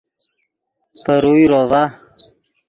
پے روئے روڤا